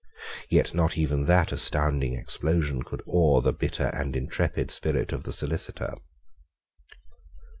Yet not even that astounding explosion could awe the bitter and intrepid spirit of the Solicitor.